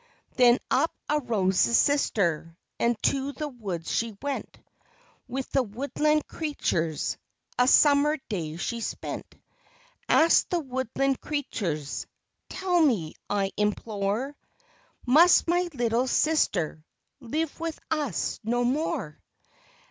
Then up arose the sister, And to the woods she went ; With the woodland creatures, A summer day she spent. Asked the woodland creatures —" Tell me, I implore, Must my little sister, Live with us no more